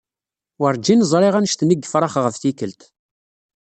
Werǧin ẓriɣ annect-nni n yefrax ɣef tikelt.